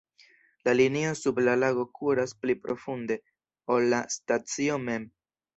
La linio sub la lago kuras pli profunde, ol la stacio mem.